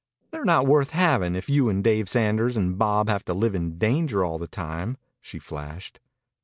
"They're not worth having if you and Dave Sanders and Bob have to live in danger all the time," she flashed.